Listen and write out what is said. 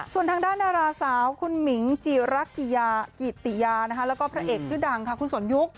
ส่วนทางด้านดาราสาวคุณหมิงจิรักิติยาแล้วก็พระเอกชื่อดังค่ะคุณสนยุค